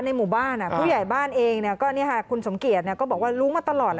หมู่บ้านผู้ใหญ่บ้านเองก็คุณสมเกียจก็บอกว่ารู้มาตลอด